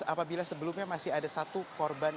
apabila sebelumnya masih ada satu korban